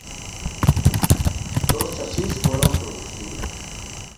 Dos chasis fueron producidos.